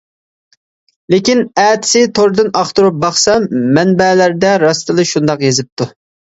لېكىن ئەتىسى توردىن ئاختۇرۇپ باقسام مەنبەلەردە راستلا شۇنداق يېزىپتۇ.